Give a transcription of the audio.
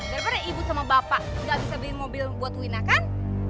daripada ibu sama bapak nggak bisa beli mobil buat wina kan